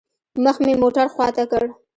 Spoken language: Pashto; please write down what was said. مخ مې موټر خوا ته كړ.